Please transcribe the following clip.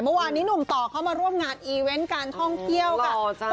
แต่ว่านี้หนุ่มต่อเข้ามันร่วมงานอีเว่นการท่องเที่ยวกัน